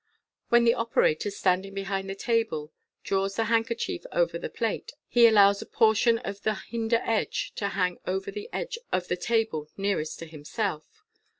When the operator, standing behind the table, dra vs the handkerchief over the plate, he allows a portion of the hinder edge to hang over the edge of the table nearest to himself.